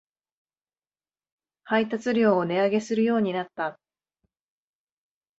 配達料を値上げするようになった